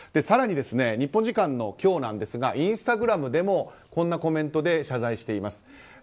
更に日本時間の今日ですがインスタグラムでもこんなコメントで謝罪しています。